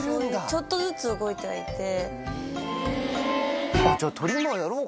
ちょっとずつ動いてはいて。